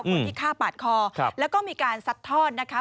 คนที่ฆ่าปาดคอแล้วก็มีการซัดทอดนะคะ